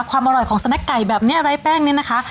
ความอร่อยของสนักไก่แบบนี้ไร้แป้งเนี่ยนะคะ